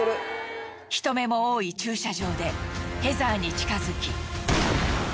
人目も多い駐車場でヘザーに近づき。